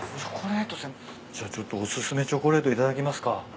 じゃあちょっとお薦めチョコレート頂きますか。